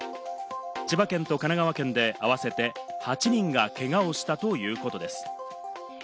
千葉県と神奈川県で合わせて８人がけがをしたということです。